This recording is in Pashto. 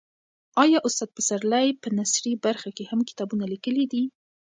آیا استاد پسرلی په نثري برخه کې هم کتابونه لیکلي دي؟